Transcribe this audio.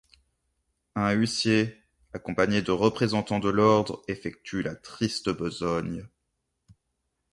Un huissier accompagné de représentants de l’ordre effectue la triste besogne.